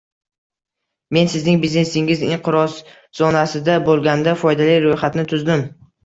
Men sizning biznesingiz inqiroz zonasida bo'lganda foydali ro'yxatni tuzdim